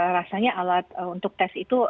rasanya alat untuk tes itu